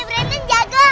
sama kata kodek